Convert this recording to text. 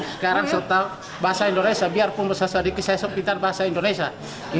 sekarang sudah tahu bahasa indonesia biarpun bisa sedikit saya sudah pinter bahasa indonesia